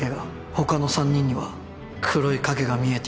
他の３人には黒い影が見えていた